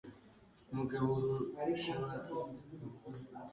umbabarire kimwe